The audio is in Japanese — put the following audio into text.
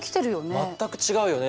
全く違うよね。